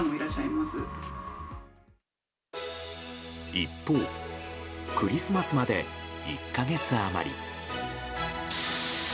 一方、クリスマスまで１か月余り。